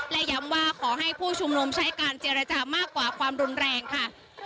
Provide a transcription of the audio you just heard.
และย้ำว่าขอให้ผู้ชุมนุมใช้การเจรจามากกว่าความรุนแรงค่ะ